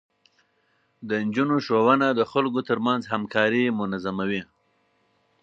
د نجونو ښوونه د خلکو ترمنځ همکاري منظموي.